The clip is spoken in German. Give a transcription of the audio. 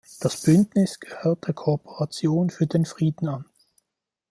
Das Bündnis gehört der Kooperation für den Frieden an.